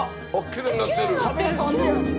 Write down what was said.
きれいになってる。